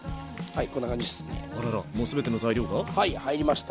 はい。